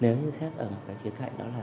nếu như xét ở một cái khía cạnh đó là